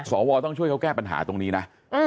สวต้องช่วยเขาแก้ปัญหาตรงนี้นะ